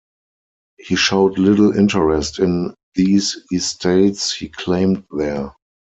He showed little interest in these estates he claimed there.